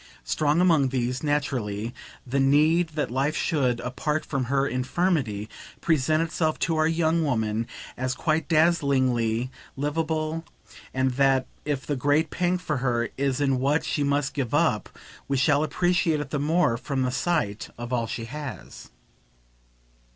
Strong among these, naturally, the need that life should, apart from her infirmity, present itself to our young woman as quite dazzlingly liveable, and that if the great pang for her is in what she must give up we shall appreciate it the more from the sight of all she has.